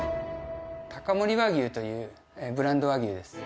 高森和牛というブランド和牛です。